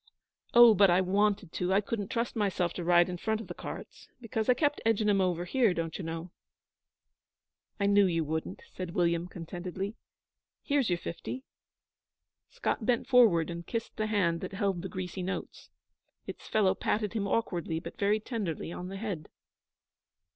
Oh, but I wanted to! I couldn't trust myself to ride in front of the carts, because I kept edging 'em over here, don't you know?' 'I knew you wouldn't,' said William, contentedly, 'Here's your fifty.' Scott bent forward and kissed the hand that held the greasy notes. Its fellow patted him awkwardly but very tenderly on the head.